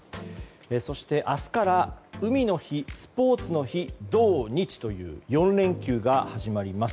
そして、明日からは海の日、スポーツの日と土日という４連休が始まります。